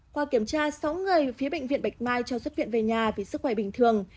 qua kiểm tra sáu người phía bệnh viện bạch mai cho xuất viện về nhà vì sức khỏe bình thường